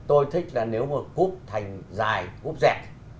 tôi thích là nếu mà cúp thành dài cúp dẹp